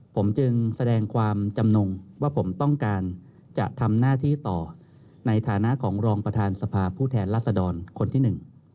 ผมจึงแสดงความจำนงว่าผมต้องการจะทำหน้าที่ต่อในฐานะของรองประธานสภาผู้แทนรัศดรคนที่หนึ่ง